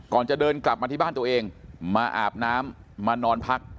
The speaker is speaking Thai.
จะเดินกลับมาที่บ้านตัวเองมาอาบน้ำมานอนพัก